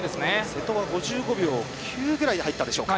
瀬戸は５５秒９ぐらいでしょうか。